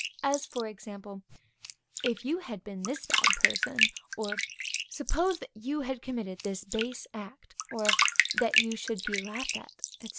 As, for example; If you had been this bad person; or, Suppose, that you had committed this base act; or, that you should be laughed at, &c.